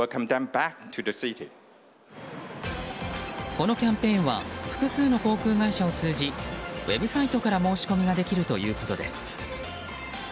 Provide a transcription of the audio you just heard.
このキャンペーンは複数の航空会社を通じウェブサイトから申し込みができるということです。